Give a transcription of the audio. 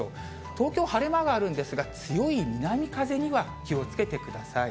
東京、晴れ間があるんですが、強い南風には気をつけてください。